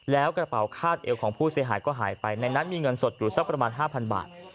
แล้วกระเป๋าคาดเอวของผู้เสียหายก็หายไปในนั้นมีเงินสดอยู่สักประมาณ๕๐๐บาท